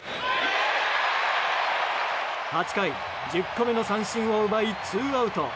８回、１０個目の三振を奪いツーアウト。